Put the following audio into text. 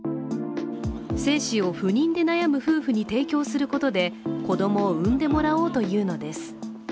精子を不妊で悩む夫婦に提供することで子供を産んでもらおうというのです。